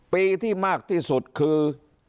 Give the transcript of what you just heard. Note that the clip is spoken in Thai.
ปีที่มากที่สุดคือ